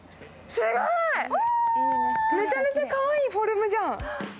すごい、めちゃめちゃかわいいフォルムじゃん。